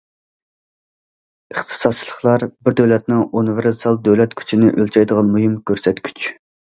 ئىختىساسلىقلار بىر دۆلەتنىڭ ئۇنىۋېرسال دۆلەت كۈچىنى ئۆلچەيدىغان مۇھىم كۆرسەتكۈچ.